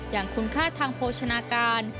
อย่างคุณค่าทางโภชนาการ